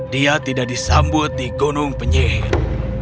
dia tidak disambut di gunung penyihir